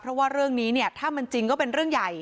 เพราะว่าเรื่องนี้เนี่ยถ้ามันจริงก็เป็นเรื่องใหญ่